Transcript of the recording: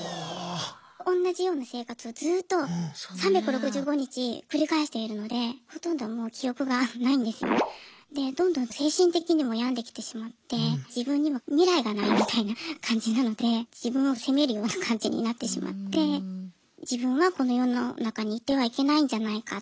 同じような生活をずっと３６５日繰り返しているのでほとんどもう記憶がないんですよ。でどんどん精神的にも病んできてしまって自分には未来がないみたいな感じなので自分を責めるような感じになってしまって自分はこの世の中にいてはいけないんじゃないかっていう。